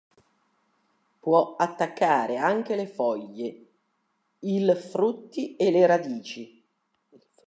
Può attaccare anche le foglie, il frutti e le radici.